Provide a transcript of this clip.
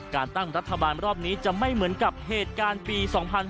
การตั้งรัฐบาลรอบนี้จะไม่เหมือนกับเหตุการณ์ปี๒๕๕๙